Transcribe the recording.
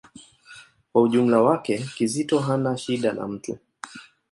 Kwa ujumla wake, Kizito hana shida na mtu.